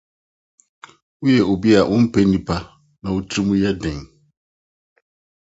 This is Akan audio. Woyɛ obi a wommpɛ nnipa na wo tirim yɛ den